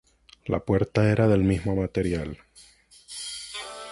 La puerta era del mismo material y se instalaba según la dirección del viento.